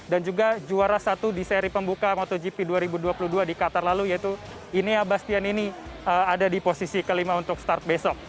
dan juga juara satu di seri pembuka motogp dua ribu dua puluh dua di qatar lalu yaitu ine abastian ini ada di posisi kelima untuk start besok